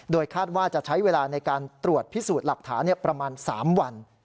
คาดว่าจะใช้เวลาในการตรวจพิสูจน์หลักฐานประมาณ๓วัน